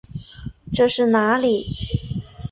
这是哪里？